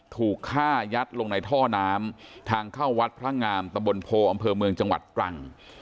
ถูกฆ่ายัดลงในท่อน้ำทางเข้าวัดพระงามตะบนโพอำเภอเมืองจังหวัดตรัง